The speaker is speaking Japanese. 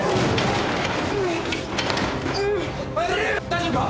大丈夫か！？